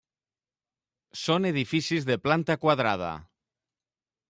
Són edificis de planta quadrada.